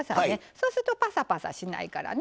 そうするとパサパサしないからね。